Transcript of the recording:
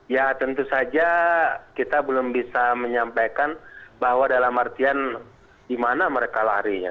ya tentu saja kita belum bisa menyampaikan bahwa dalam artian di mana mereka larinya